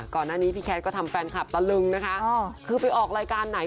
ก่อนหน้านี้พี่แคทก็ทำแฟนคลับตะลึงนะคะคือไปออกรายการไหน